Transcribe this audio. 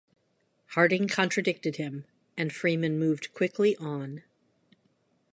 Harding contradicted him and Freeman moved quickly on.